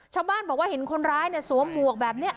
ชาวบ้านบอกว่าเห็นคนร้ายสวมหมวกแบบนี้